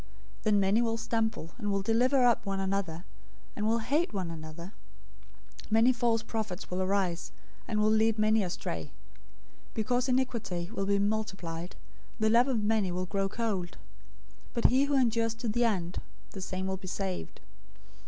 024:010 Then many will stumble, and will deliver up one another, and will hate one another. 024:011 Many false prophets will arise, and will lead many astray. 024:012 Because iniquity will be multiplied, the love of many will grow cold. 024:013 But he who endures to the end, the same will be saved.